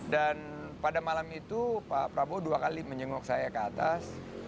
dan pada malam itu pak prabowo dua kali menyenguk saya ke atas